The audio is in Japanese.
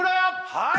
はい！